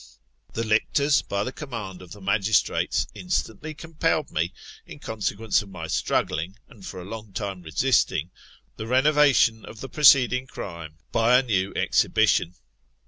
The licton, by the command of the magistrates, instantly compelled me, in consequence of my struggling, and for a long time resisting, the renovation of the preceding crime, .by a new exhibition.